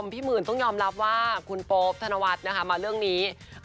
พี่หมื่นต้องยอมรับว่าคุณโป๊ปธนวัฒน์นะคะมาเรื่องนี้